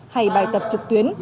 hay bài tập trực tuyến